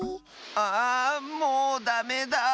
あんもうダメだ。